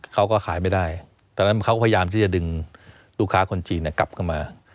เขาก็ขายไม่ได้ตอนนั้นเขาพยายามที่จะดึงลูกค้าคนจีนกลับเข้ามา